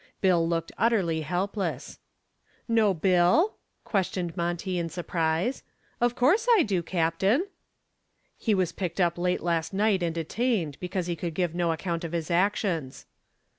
Bill looked utterly helpless. "Know Bill?" questioned Monty in surprise. "Of course I do, Captain." "He was picked up late last night and detained, because he would give no account of his actions."